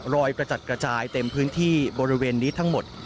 กระจัดกระจายเต็มพื้นที่บริเวณนี้ทั้งหมด